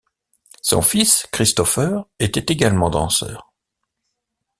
Son fils, Christopher, était également danseur.